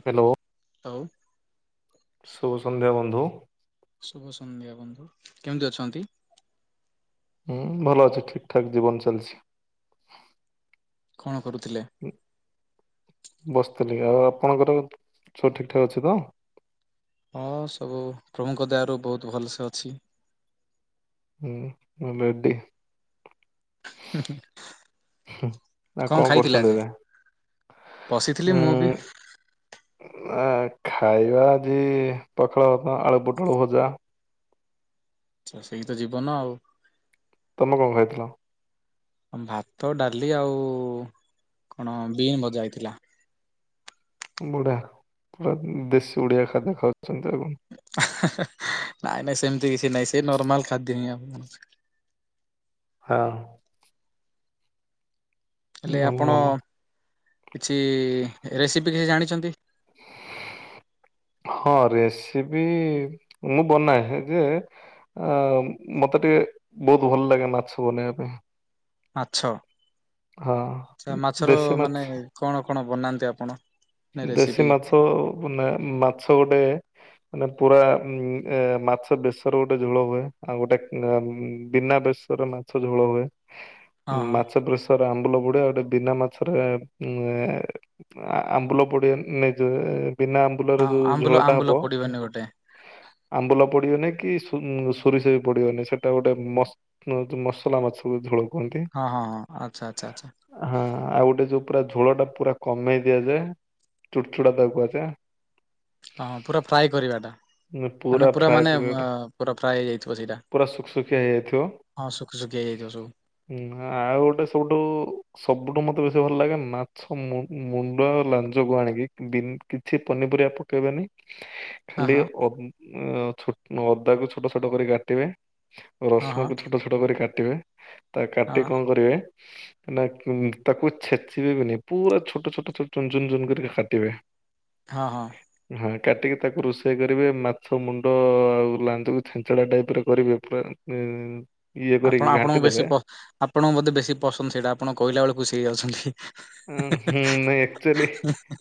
Hello ହଉ ଶୁଭ ସନ୍ଧ୍ୟା ବନ୍ଧୁ। ଶୁଭ ସନ୍ଧ୍ୟା ବନ୍ଧୁ କେମିତି ଅଛନ୍ତି? ହୁଁ ଭଲ ଅଛି ଠିକ ଠାକ ଜୀବନ ଚାଲିଛି। କଣ କରୁଥିଲେ? ଉଁ ବସିଥିଲି ଆଉ ଆପଣଙ୍କର ସବୁ ଠିକଠାକ୍ ଅଛି ତ? ହଁ ସବୁ ପ୍ରଭୁଙ୍କ ଦୟା ରୁ ବହୁତ ଭଲସେ ଅଛି। ହୁଁ ଭଲ ରେଡି। ହୁଁ ଆଉ କଣ ଖାଇଥିଲେ ଆଜି? କରୁଛନ୍ତି ଏବେ? ବସିଥିଲି ଉଁ ମୁଁ ବି। ଆ ଖାଇବା ଆଜି ପଖାଳ ଭାତ, ଆଳୁ ପୋଟଳ ଭଜା। ଆଚ୍ଛା ସେଇି ତ ଜୀବନ ଆଉ। ତମେ କଣ ଖାଇଥିଲ? ଭାତ ଡାଲି ଆଉ କଣ ବିନ୍ ଭଜା ହେଇଥିଲା। ବଢିଆ ପୁରା ଦେଶୀ ଓଡିଆ ଖାଦ୍ୟ ଖାଉଛନ୍ତି ଆଉ କଣ। ନାଇଁ ନାଇଁ ସେମିତି କିଛି ନାଇଁ ସେ ନର୍ମାଲ ଖାଦ୍ୟ ହିଁ ଆମେ ଖାଉଚୁ। ହଁ। ହେଲେ ଭଲ ଆପଣ ଭଲ। କିଛି ରେସିପି କିଛି ଜାଣିଛନ୍ତି? [inaudible] ହଁ ରେସିପି ମୁଁ ବନାଏ ଯେ ଆଉ ମତେ ଟିକେ ବହୁତ ଭଲ ଲାଗେ ମାଛ ବନେଇବା ପାଇଁ। ମାଛ, ହଁ ଆଛା ମାଛର ଦେଶୀ ମାଛ ମାନେ କଣ କଣ ବନାନ୍ତି ଆପଣ? ନା ରେସିପି? ଦେଶୀ ମାଛ ବନାଏ ମାଛ ଗୋଟେ ମାନେ ପୁରା ଉଁ ଆ ମାଛ ବେଶର ଗୋଟେ ଝୋଳ ହୁଏ ଆଉ ଗୋଟେ [unintelligible] ବିନା ବେଶ୍ ରେ ମାଛ ଝୋଳ ହୁଏ। ହଁ ଉଁ ହଁ ମାଛ ବେସରରେ ଆମ୍ବୁଲ ପଡେ ଆଉ ଗୋଟେ ବିନା ମାଛରେ ଉଁ [unintelligible] ଆମ୍ବୁଲ ପଡେ ମେଜରେ ବିନା ଆମ୍ବୁଲରେ ହଁ ଯୋଉ ଆମ୍ବୁଲ ଝୋଳଟା ଆମ୍ବୁଲ ହବ ପଡିବନି ଗୋଟେ ଆମ୍ବୁଲ ପଡ଼ିବନି କି ସୋ ଉଁ ସୋରିଷ ବି ପଡ଼ିବନି ସେଇଟା ଗୋଟେ ମସ୍ ସିଏ ହଉଛି ମସଲା ମାଛର ଝୋଳ। କୁହନ୍ତି। ହଁ ହଁ ହଁ ଆଚ୍ଛା ଆଛା ଆଛା। ହଁ ଆଉ ଗୋଟେ ଯୋଉ ପୁରା ଝୋଳ ଟା ପୁରା କମେଇ ଦିଆଯାଏ। ଚୁଟ ଚୁଡା ତାହାକୁ କୁହାଯାଏ। ହଁଁ ପୁରା ଫ୍ରାଏ କରିବାଟା। ମାନେ ପୁରା ଫ୍ରାଏ ମାନେ କରିବାଟା ପୁରା ଫ୍ରାଏ ହେଇଯାଇଥିବ ସେଇଟା। ପୁରା ସୁଖସୁଖିଆ ହେଇଯାଇଥିବ। ହଁ ସୁକୁ ସୁକିଆ ହେଇ ଯାଇଥିବ ସବୁ। ହୁଁ ଆଉ ଗୋଟେ ସବୁଠୁ ସବୁଠୁ ମତେ ବେଶୀ ଭଲ ଲାଗେ ମାଛ ମୁ ମୁଣ୍ଡ ଆଉ ଲା ଯୋଗୁ ଆଣିକି ବି କିଛି ପନିପରିବା ପକେଇବେନି ହଁ ଖାଲି ହଁ ଅ ଛୋ ଅଦାକୁ ଛୋଟ ଛୋଟ କରି କାଟିବେ। ହଁ ହଁ ରସୁଣକୁ ଛୋଟ ଛୋଟ କରି କାଟିବେ। ତା ହଁ କାଟି କଣ କରିବେ। ନା କି ଛେଚିବେ ବି ନାହିଁ ପୁରା ଛୋଟ ଛୋଟ ଛୋଟ ଚୁନୁ ଚୁନୁ କରି କାଟିବେ। ହଁ ହଁ। ହଁ କାଟିକି ତାକୁ ରୋଷେଇ କରିବେ ମାଛ ମୁଣ୍ଡ ଆଉ ଲାଞ୍ଜକୁ ଛେଞ୍ଚଡା ଟାଇପ ରେ କରିବେ ପୁରା ଉଁ ଇଏ କରିକି ଘାଣ୍ଟି ଦେବେ ଆପଣଙ୍କ ବୋଧେ ବେଶୀ ପସନ୍ଦ ସେଇଟା ଆପଣ କହିଲା ବେଳୁ ଖୁସି ହେଇ ଯାଉଛନ୍ତି। ଅଁ ହୁଁ ନାଇଁ ଏକ୍ଚଲି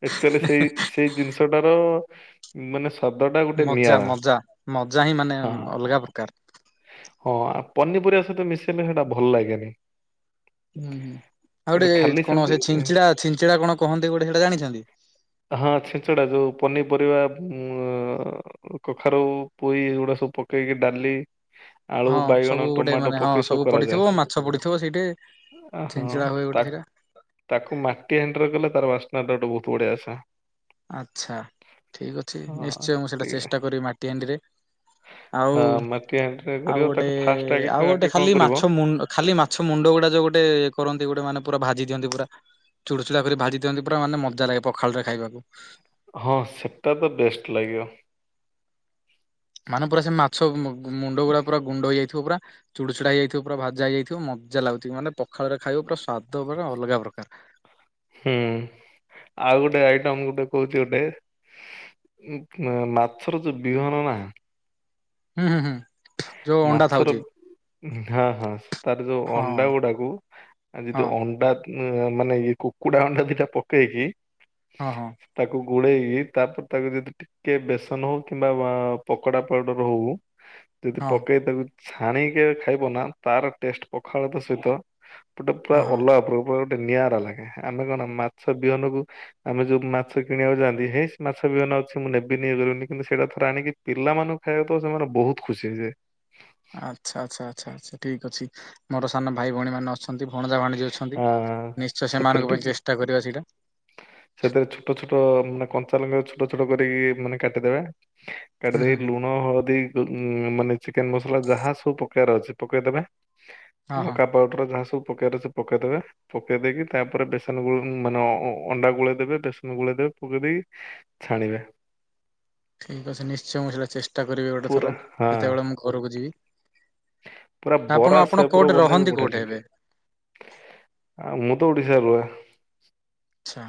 ଏକ୍ଚଲି ସେଇ ସେଇ ଜିନିଷ ସେଟାର ମାନେ ସ ଶବ୍ଦ ଟା ଗୋଟେ ମଜା ନିଆରା ମଜା ମଜା ହିଁ ମାନେ ହଁ ହଁ। ଅଲଗା ପ୍ରକାର ହଁ ପନିପରିବା ସହିତ ମିଶିଲେ ସେଇଟା ଭଲ ଲାଗେନି। ହୁଁ ହୁଁ ଆଉ କିନ୍ତୁ ଖାଲି ଗୋଟେ କଣ ସେମିତି ସେ ଛିଞ୍ଚିଡା ଛିଞ୍ଚିଡା କଣ କହନ୍ତି ଗୋଟେ ସେଇଟା ଜାଣିଛନ୍ତି? ହଁ ଛିଞ୍ଚଡ଼ା ଯୋଉ ପନିପରିବା ବୁ ଅ କ କଖାରୁ ପୋଇ ଏଗୁଡା ସବୁ ପକେଇକି ଡାଲି ଆଳୁ ହଁ ସବୁ ବାଇଗଣ ଗୋଟେ ଟମାଟୋ ମାନେ ହଁ ପକେଇ ସବୁ ପଡିଥିବ କରାଯାଏ। ମାଛ ପଡିଥିବ ସେଇଠି ଅହଁ ଛିଞ୍ଚିଡା ହୁଏ ଗୋଟେ ତାକୁ ସେଇଟା ତାକୁ ମାଟି ହାଣ୍ଡିରେ କଲେ ତାର ବାସ୍ନା ଗୋଟେ ବହୁତ ବଢିଆ ଆସେ। ଆଚ୍ଛା ଠିକ ଅଛି ହଁ। ନିଶ୍ଚୟ ମୁଁ ସେଇଟା ଟିକେ ଚେଷ୍ଟା କରିବି ମାଟି ହାଣ୍ଡିରେ ଆଉ ହଁ ମାଟି ହାଣ୍ଡିରେ ଆଉ କରିବ ଗୋଟେ ତାକୁ ଫାଷ୍ଟ ଆଗେ ଆଉ ଆଗେ ଗୋଟେ କଣ ଖାଲି କରିବ ମାଛ ମୁ ଅ ଖାଲି ମାଛ ମୁଣ୍ଡ ଗୁଡା ଯୋଉ ଗୋଟେ କରନ୍ତି ଗୋଟେ ମାନେ ପୁରା ଭାଜି ଦିଅନ୍ତି ପୁରା। ଚୁଡୁଚୁଡ଼ା କରି ଭାଜି ଦିଅନ୍ତି ପୁରା ମାନେ ମଜା ଲାଗେ ପଖାଳରେ ଖାଇବାକୁ। ହଁ ସେଟା ତ ବେଷ୍ଟ ଲାଗିବ। ମାନେ ପୁରା ସେ ମାଛ ମୁ ଗୁ ମୁଣ୍ଡ ପୁରା ଗୁଣ୍ଡ ହେଇଯାଇଥିବ ପୁରା। ଚୁଡୁଚୁଡା ହେଇଯାଇଥିବ ପୁରା ଭାଜା ହେଇଯାଇଥିବ ମଜା ଲାଗୁଥିବ ମାନେ ପଖାଳରେ ଖାଇବ ପୁରା ସ୍ଵାଦ ପୁରା ଅଲଗା ପ୍ରକାର। ହୁଁ ଆଉ ଗୋଟେ ଆଇଟମ ଗୋଟେ କହୁଛି ଗୋଟେ। ଉଁ ମାଛର ଯୋଉ ବିହନ ନା ହୁଁ ହୁଁ ହୁଁ। ଯୋଉ ଅଣ୍ଡା ମାଛର, ଥାଉଛି ହଁ, ହଁ! ତାର ଯୋଉ ହଁ ଅଣ୍ଡା ଗୁଡାକୁ, ଆଉ ହଁ ଯଦି ଅଣ୍ଡା ଉ ମାନେ, ଏ କୁକୁଡ଼ା ଅଣ୍ଡା ଦିଟା ପକେଇକି ହଁ, ହଁ। ତାକୁ ଗୋଳେଇକି, ତାପରେ ତାକୁ ଯଦି କି ବେସନ ହଉ, କିମ୍ବା ପକୋଡା ପାଉଡର ହଉ ଯଦି ହଁ ପକାଇ ତାକୁ ଛାଣିକି ଖାଇବ ନା, ତାର ଟେଷ୍ଟେ ପଖାଳ ଭାତ ସହିତ ଗୋଟେ ପୁରା ହଁ ହଁ। ଅଲଗା, ପୁରା ଗୋଟେ ନିଆରା ଲାଗେ, ଆମେ କଣ ମାଛ ବିହନକୁ ଆମେ ଯୋଉ ମାଛ କିଣିବାକୁ ଯାଆନ୍ତି, ହେଇ ମାଛ ବିହନ ଅଛି ମୁଁ ନେବିନି ଇଏ କରିବିନି, କିନ୍ତୁ ସେଇଟା ଥରେ ଆଣିକି ପିଲାମାନଙ୍କୁ ଖାଇବାକୁ ଦବ, ସେମାନେ ବହୁତ୍ ଖୁସି ହେଇଯିବେ। ଆଚ୍ଛା, ଆଚ୍ଛା, ଆଚ୍ଛା, ଆଚ୍ଛା, ଠିକ୍ ଅଛି, ମୋର ସାନ ଭାଇ ଭଉଣୀ ମାନେ ଅଛନ୍ତି ଭଣଜା ଭାଣିଜି ଅଛନ୍ତି ଆଁ ନିଶ୍ଚୟ, ସେଥିରେ ସେମାନଙ୍କ ପାଇଁ ଟିକେ ଚେଷ୍ଟା କରିବା ସେଇଟା। ସେଥିରେ ଛୋଟ ଛୋଟ ମାନେ କଞ୍ଚା ଲଙ୍କ ଛୋଟ ଛୋଟ କରିକି ମାନେ କାଟିଦେବେ ହୁଁ ହୁଁ କାଟିଦେଇକି ହୁଁ ଲୁଣ ହଳଦୀ ମାନେ ଚିକେନ ମସଲା ଯାହା ସବୁ ପକେଇବାର ଅଛି ପକେଇଦେବେ ହଁ ହଁ। ଲଙ୍କା ପାଉର ଯାହା ସବୁ ପକେଇବ ପକେଇଦବେ ପକେଇ ଦେଇକି ତାପରେ ବେସନ ଗୁ ମାନେ [inaudible] ଅଣ୍ଡା ଗୋଳେଇ ଦେବେ, ବେସନ ଗୋଳେଇ ଦେବେ, ପକେଇ ଦେଇେ ଛାଣିବେ। ଠିକ୍ ଅଛି, ନିଶ୍ଚୟ ମୁଁ ସେଇଟା ଚେଷ୍ଟା କରିବି ଗୋଟେ ଥର, ପୁରା ହଁ ଯେତେବେଳେ ମୁଁ ଘରକୁ ଯିବି। ପୁରା ବରା ଆପଣ, ଆପଣ, କୋଉଠି ରହନ୍ତି, କୋଉଠି ଏବେ। ଆ, ମୁଁ ତ, ଓଡିଶା ରେ ରହେ। ଆଚ୍ଛା।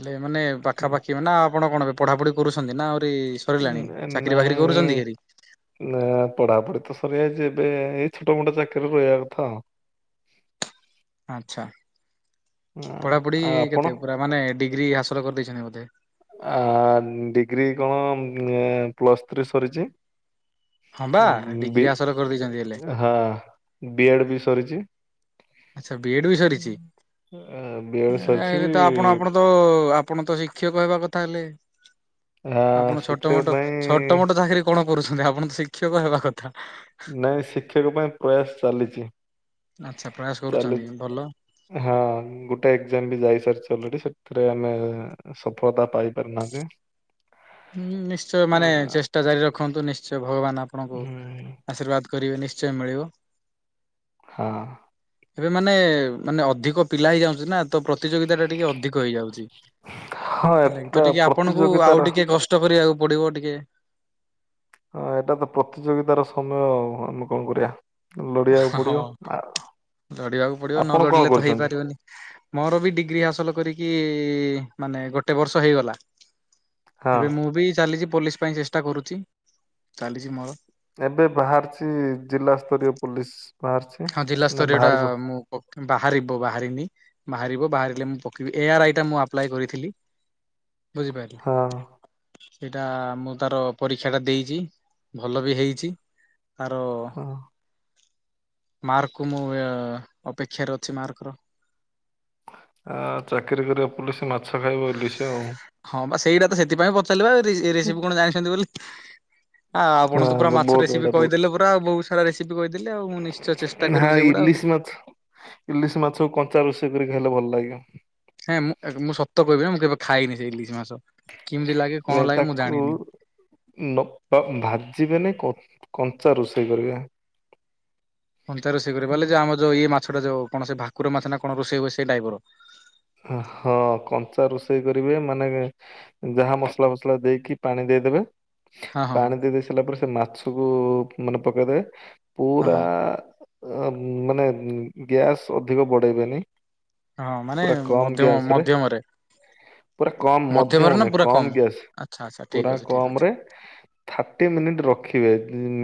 ହେଲେ ମାନେ ହୁଁ। ପାଖାପାଖି ନା ଆପଣ କଣ ଏବେ ପଢ଼ାପଢ଼ି କରୁଛନ୍ତି, ନା ଆହୁରି ସରିଲାଣି, ଉଁ ଚାକିରି ବାକିରି କରୁଛନ୍ତି ନାଇଁ କି ହେରି। ନା ପଢାପଢି ତ ସରିଯାଇଛି, ଏବେ ଏଇ ଛୋଟ ମୋଟ ଚାକିରିରେ ରହିବା କଥାଉ ଆଚ୍ଛା, ଆଁ ପଢାପଢି ଆଉ ଆପଣ? କେତେ ପୁରା, ମାନେ ଡିଗ୍ରୀ ହାସଲ କରିଦେଇଛନ୍ତି ବୋଧେ। ଆ ଡିଗ୍ରୀ କଣ ପ୍ଲସ୍ ଥ୍ରୀ ସରିଛି। ହଁ ବା ଡିଗ୍ରୀ ହାସଲ କରିଦେଇଛନ୍ତି ହେଲେ ହଁ, ବିଏଡ୍ ବି ସରିଛି। ଆଚ୍ଛା, ବିଏଡ୍ ବି ସରିଛି, ବି ଏଡ୍ ସରିଛି ଏବେ ତ ଆପଣ, ଆପଣ ତ ଆପଣ ତ ଶିକ୍ଷକ ହେବା କଥା ହେଲେ ଆ ଆପଣ ଛୋଟ ଶିକ୍ଷକ ମୋଟ ପାଇଁ ଛୋଟ ମୋଟ ଚାକିରି କଣ କରୁଛନ୍ତି ଆପଣ ତ ଶିକ୍ଷକ ହେବା କଥା। ନାଇଁ ଶିକ୍ଷକ ପାଇଁ ପ୍ରୟାସ ଚାଲିଛି। ଆଚ୍ଛା ପ୍ରୟାସ ଚାଲି କରୁଛନ୍ତି ଭଲ। ହଁ ଗୋଟେ ଏକ୍ଜାମ ବି ଯାଇ ସାରିଚି ଅଲରେଡି ସେଥିରେ ଆମେ ସଫଳତା ପାଇପାରନାହାନ୍ତି। ହୁଁ ନିଶ୍ଚୟ ମାନେ ଚେଷ୍ଟା ଜାରି ରଖନ୍ତୁ ନିଶ୍ଚୟ ଭଗବାନ ଆପଣଙ୍କୁ ହୁଁ ଆଶୀର୍ବାଦ କରିବେ ନିଶ୍ଚୟ ମିଳିବ। ହଁ। ଏବେ ମାନେ ମାନେ ଅଧିକ ପିଲା ହେଇଯାଉଛନ୍ତି ନା। ତ ପ୍ରତିଯୋଗିତା ଟା ଟିକେ ଅଧିକ ହେଇଯାଉଛି ହଁ ହେଲାକି ତ ଏଟା ଟିକେ ଆପଣଙ୍କୁ ଆଉ ପ୍ରତିଯୋଗିତାର ଟିକେ କଷ୍ଟ କରିବାକୁ ପଡିବ ଟିକେ। ହଁ ଏଟା ତ ପ୍ରତିଯୋଗିତାର ସମୟ ଆଉ ଆମେ କଣ କରିବା। ଲଢିବାକୁ ହଁ ପଡିିବ। ଆ ଲଢିବାକୁ ପଡିବ ନ ଆପଣ ଲଢିଲେ କଣ ତ କରୁଛନ୍ତି? ହେଇପାରିବନି। ମୋର ବି ଡିଗ୍ରୀ ହାସଲ କରିକି ମାନେ ଗୋଟେ ବର୍ଷ ହେଇଗଲା। ହଁ ଏବେ ମୁଁ ବି ଚାଲିଛି ପୋଲିସ ପାଇଁ ଚେଷ୍ଟା କରୁଛି ଚାଲିଛି ମୋର। ଏବେ ବାହାରିଛି ଜିଲ୍ଲା ସ୍ତରୀୟ ପୋଲିସ ବାହାରିଛି। ହଁ ନା ଜିଲ୍ଲାସ୍ତରୀୟଟା ବାହାରିବ ମୁଁ ପକ ବାହାରିବ ବାହାରିନି ବାହାରିବ ବାହାରିଲେ ମୁଁ ପକେଇବି। ଏ ଆର୍ ଆଇ ଟା ମୁଁ ଆପ୍ଲାଏ କରିଥିଲି। ବୁଝିପାରିଲି। ହଁ। ସେଇଟା ମୁଁ ତାର ପରୀକ୍ଷା ଟା ଦେଇଛି ଭଲ ବି ହେଇଛି। ଆର। ହଁ। ମାର୍କକୁ ମୁଁ ଅପେକ୍ଷାରେ ଅଛି ମାର୍କର। ଆ ଚାକିରି କରିବ ପୋଲିସ ମାଛ ଖାଇବ ଇଲିସି ଆଉ। ହଁ ବା ସେଇଟା ତ ସେଥିପାଇଁ ପଚାରିଲିବା ରେସିପି କଣ ଜାଣିଛନ୍ତି ବୋଲି? ଆଉ ଆପଣ ତ ପୁରା ହଁ ମାଛ ବହୁତ ରେସିପି ବଢିଆ ବହୁତ। କହିଦେଲେ ପୁରା ବହୁତ ସାରା ରେସିପି କହିଦେ ଆଉ ମୁଁ ନିଶ୍ଚ ନା ଇଲିଶ ମାଛ ଇଲିଶ ମାଛ କଞ୍ଚା ରୋଷେଇ କରି ଖାଇଲେ ଭଲ ଲାଗେ। ହେଁ ମୁଁ ମୁଁ ସତ କହିବି ମୁଁ କେବେ ଖାଇନି ସେଇ ଇଲିଶି ମାସ କେମିତି ଲାଗେ କଣ ଲାଗେ ମୁଁ ଜାଣିନି। ବ ବ ଭାଜିବେନି କଞ୍ଚା ରୋଷେଇ କରିବେ। କଞ୍ଚା ରୋଷେଇ କରିପାରଲେ ଯେ ଆମ ଯଉ ଇଏ ମାଛଟା ଯୋଉ କଣସି ଭାକୁର ମାଛ ନା କଣ ରୋଷେଇ ହୁଏ ସେଇ ଟାଇପର। ହଁ କଞ୍ଚା ରୋଷେଇ କରିବେ ମାନେ ଯାହା ମସଲା ଫସଲା ଦେଇକି ପାଣି ଦେଇଦେବେ ହଁ ହଁ ପାଣି ଦେଇ ଦେଇ ସାରିଲା ପରେ ସେ ମାଛକୁ ମାନେ ପକେଇଦେବେ। ହଁ ପୁରା ହଁ ମାନେ ଗ୍ୟାସ୍ ଅଧିକ ବଢ଼େଇବେନି। ହଁ ମାନେ ମଧ୍ୟମ ରେ ମଧ୍ୟମରେ। ପୁରା କମ୍ ମଧ୍ୟମରେ ମଧ୍ୟମ ନା ନାହିଁ ପୁରା କମ୍ ଗ୍ୟାସ୍ ଆଚ୍ଛା ଆଚ୍ଛା ଠିକ୍ ପୁରା ଅଛି ଠିକ୍ ଅଛି କମ୍ରରେ ଥାର୍ଟି ମିନିଟ ରଖିବେ।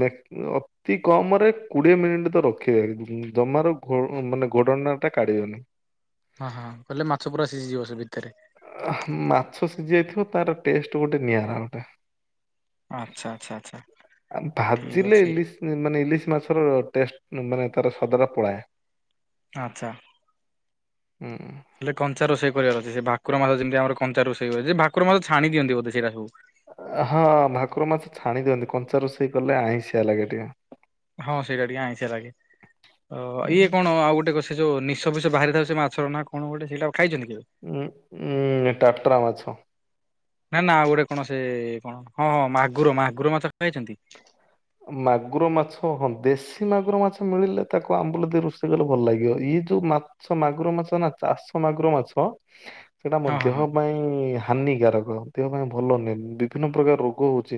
ମା ଅଫ୍ ତି କମ ରେ କୋଡିଏ ମିନିଟ୍ ତ ରଖିବେ। ଜମାରୁ ଘୋ ମାନେ ଘୋଡଣାଟା କାଢିବେନି। ହଁ ହଁ କହିଲେ ମାଛ ପୁରା ଶିଝିଯିବ ସେ ଭିତରେ। ମାଛ ସିଝି ଯାଇଥିବ ତାର ଟେଷ୍ଟ ଗୋଟେ ନିଆରା ଗୋଟେ। ଆଚ୍ଛା ଆଚ୍ଛା ଆଚ୍ଛା ଆଉ ଠିକ ଭାଜିଲେ ଅଛି। ଇଲିଶ ମାନେ ଇଲିଶ ମାଛର ଟେଷ୍ଟ ମାନେ ତାର ସ୍ୱାଦଟା ପଳାଏ। ଆଚ୍ଛା। ହଁଁ। ହେଲେ କଞ୍ଚା ରୋଷେଇ କରିବାର ଅଛି। ସେ ଭାକୁର ମାସ ଯେମିତି ଆମ କଞ୍ଚା ରୋଷେଇ ହୁଏ। ସେ ଭାକୁର ମାଛ ଛାଣି ଦିଅନ୍ତି ବୋଧେ ସେଇରାକୁ। ହଁ ଭାକୁର ମାଛ ଛାଣି ଦିଅନ୍ତି କଞ୍ଚା ରୋଷେଇ କଲେ ଆଇଁସିିଆ ଲାଗେ ଟିକେ। ହଁ ସେଇଟା ଟିକେ ଆଇଁସିଆ ଲାଗେ। ତ ଉଁ ଇଏ କଣ ଆଉ ଗୋଟେ କ ସେ ଯୋଉ ନିଶ ଫିଷ ବାହାରିଥାଉ ସେ ମାଛର ନା କଣ ଗୋଟେ ସେଇଟା ଖାଇଛନ୍ତି କେବେ। ଉ ଉଁ ଟାଟ୍ରା ମାଛ। ନା ନା ଆଉ ଗୋଟେ କଣ ସେ କଣ ହଁ ହଁ ମାଗୁର ମାଗୁର ମାଛ ଖାଇଛନ୍ତି? ମାଗୁର ମାଛ ହଁ ଦେଶୀ ମାଗୁର ମାଛ ମିଳିଲେ ତାକୁ ଆମ୍ବୁଲ ଦେଇ ରୋଷେଇ କଲେ ଭଲ ଲାଗିବ। ଇଏ ଯୋଉ ମା ଚା ମାଗୁର ମାଛ ନା ଚାଷ ମାଗୁର ମାଛ ସେଟା ହଁ ମଧ୍ୟ ହଁ ହଁ ପାଇଁ ହାନିକାରକ ଦେହ ପାଇଁ ଭଲ ନୁହେଁ ବିଭିନ୍ନ ପ୍ରକାର ରୋଗ ହଉଛି।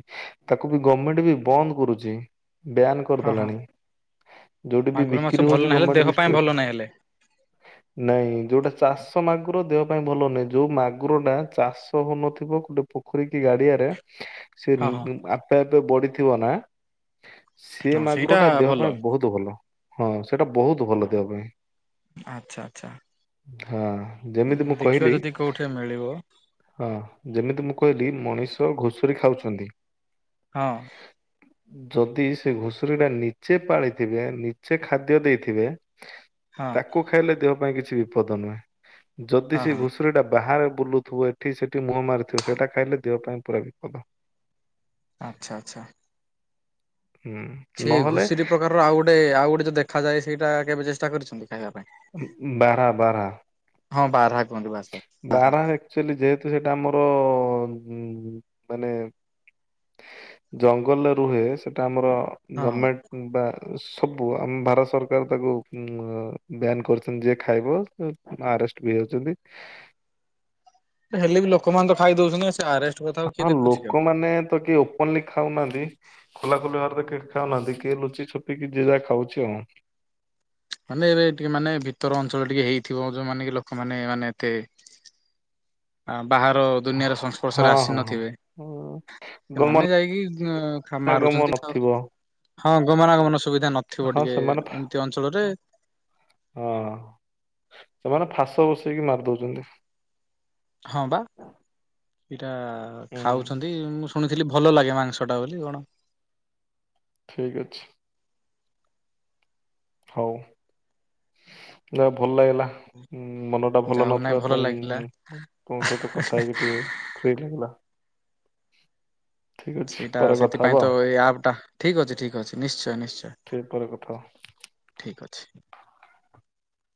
ତାକୁ ବି ଗମେଣ୍ଟ ବି ବନ୍ଦ କରୁଛି। ବ୍ୟାନ ହଁ ହଁ କରିଦେଲାଣି ଯୋଉଠି ବି ମାଗୁର ମାଛ ବିକ୍ରି ଭଲ ହଉଛି ନାହିଁ ହେଲେ ଗମେଣ୍ଟ ଦେହ ପାଇଁ ଭଲ ବିସ୍କୁଟ। ନାହିଁ ହେଲେ। ହ [inaudible] ନାଇଁ ଯୋଉଟା ଚାଷ ମାଗୁର ଦେହ ପାଇଁ ଭଲ ନାହିଁ ଯୋଉ ମାଗୁର ଟା ଚାଷ ହୋଉନଥିବ ଗୋଟେ ପୋଖରୀ କି ଗାଡିଆରେ ସେ ହଁ ହଁ ଆପେ ଆପେ ବଢିଥିବ ନା ସେ ହଁ ମାଗୁର ସେଇଟା ଟା ଦେହ ଭଲ ପାଇଁ ବହୁତ ଭଲ ହଁ ସେଟା ବହୁତ ଭଲ ଦେହ ପାଇଁ। ଆଚ୍ଛା ଆଚ୍ଛା। ହଁ ଯେମିତି ମୁଁ ଦେଖିବା କହିଲି ଯଦି କୋଉଠି ମିଳିବ ହଁ ଯେମିତି ମୁଁ କହିଲି ମଣିଷ ଘୁଷୁରୀ ଖାଉଛନ୍ତି। ହଁ। ଯଦି ସେ ଘୁଷୁରୀ ଟା ନିଜେ ପାଳିଥିବେ ନିଜେ ଖାଦ୍ୟ ଦେଇଥିବେ। ହଁ ତାକୁ ଖାଇଲେ ଦେହ ପାଇଁ କିଛି ବିପଦ ନୁହେଁ। ଯଦି ହଁ ସେ ହଁ ଘୁଷ ଶୁରୀଟା ବାହାରେ ବୁଲୁଥିବ ଏଠି ସେଠି ମୁହଁ ମାରୁଥିବ ସେଟା ଖାଇଲେ ଦେହ ପାଇଁ ପୁରା ବିପଦ। ଆଛା ଆଛା। ହୁଁ। ସେ ନହେଲେ ଘୁଷୀରି ପ୍ରକାରର ଆଉ ଗୋଟେ ଆଉ ଗୋଟେ ଯୋଉ ଦେଖାଯାଏ ସେଇଟା କେବେ ଚେଷ୍ଟା କରିଛନ୍ତି ଖାଇବା ପାଇଁ? ବାରାହା ବାରାହା। ହଁ ବାରହା କୁହନ୍ତି ବାସ ବାସ ବାରା ବାରହା। ଆକ୍ଚୁଆଲି ଯେହେତୁ ସେଇଟା ଆମର ମାନେ ଜଙ୍ଗଲରେ ରୁହେ ସେଟା ଆମର ହଁ ହଁ। ଗମେଣ୍ଟ ବା ସବୁ ଆମ ଭାରତ ସରକାର ତାକୁ ବ୍ୟାନ କରିଛନ୍ତି ଯିଏ ଖାଇବ ଆରେଷ୍ଟ ବି ହେ। ହେଲେ ବି ଲୋକମାନେ ତ ଖାଇ ଦଉଛନ୍ତି ସେ ଆରେଷ୍ଟ୍ ହଁ ଲୋକମାନେେ ତ କିଏ ଓପୋନଲି ଖାଉନାହାନ୍ତି। ଖୋଲା ଖୋଲି ଭାବରେ ଖାଉନାହାନ୍ତି। କିଏ ଲୁଚି ଛପିକି ଯିଏ ଯାହା ଖାଉଛି ଆଉ। ମାନେ ଏବେ ଟିକେ ମାନେ ଭିତର ଅଞ୍ଚଳ ଟିକେ ହେଇଥିବ ଯୋଉମାନେ କି ଲୋକମାନେେ ମାନେ ଏତେ ବାହାର ଦୁନିଆର ସଂସ୍ପର୍ଶରେ ହଁ ଆସି ହଁ ନଥିବେ। ହଁ ସେମାନେ ଗମନା ଯାଇକି ଗମ ମାରୁଛନ୍ତି ନଥିବ ହଁ ଗମନାଗମନ ସୁବିଧା ନ ହଁ ସେମାନେ ଫା ହଁ ସେମାନେ ଫାସ ବସେଇକି ମାରିଦଉଛନ୍ତି। ହଁ ବା ସେଇଟା ହୁଁ ଖାଉଛନ୍ତି। ମୁଁ ଶୁଣିଥିଲି ଭଲ ଲାଗେ ମାଂସଟା ବୋଲି କଣ। ଠିକ୍ ଅଛି। ହଉ ଯା ହଉ ଭଲ ଲାଗିଲା। ଉଁ ମନ ଟା ଭଲ ଯାହା ହଉ ନାଇଁ ନଥିଲା ଭଲ ତ ଲାଗିଲା ତୁମ ସହିତ କଥା ହେଇକି ଟିକେ ଠିକ୍ ହେଇଗଲା। ସେଇଟା ସେଥିପାଇଁ ତ ଏଇ ଆପ୍ ଟା ଠିକ୍ ଅଛି ଠିକ୍ ଅଛି ନିଶ୍ଚୟ ନିଶ୍ଚୟ। ଖେ ପରେ କଥା ଠିକ୍ ଅଛି।